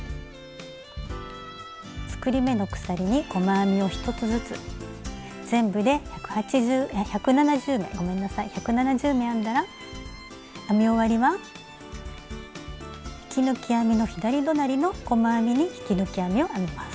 作り目の鎖に細編みを１つずつ全部で１７０目編んだら編み終わりは引き抜き編みの左隣りの細編みに引き抜き編みを編みます。